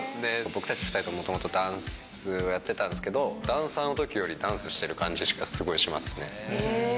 僕たち２人とも、もともとダンスをやってたんですけど、ダンサーのときよりダンスしてる感じがすごいしますね。